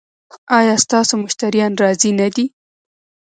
ایا ستاسو مشتریان راضي نه دي؟